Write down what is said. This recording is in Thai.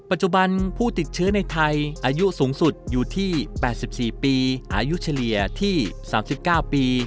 ปัจจุบันผู้ติดเชื้อในไทยอายุสูงสุดอยู่ที่๘๔ปีอายุเฉลี่ยที่๓๙ปี